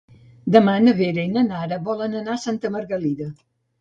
Demà na Vera i na Nara volen anar a Santa Margalida.